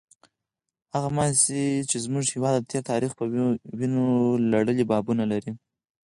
هغه ماضي چې زموږ هېواد د تېر تاریخ په وینو لړلي بابونه لري.